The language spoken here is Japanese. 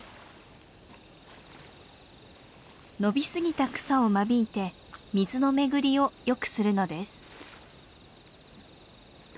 伸びすぎた草を間引いて水の巡りをよくするのです。